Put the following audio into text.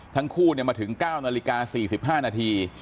ทั้งคู่มาถึง๙นาฬิกา๔๕นาที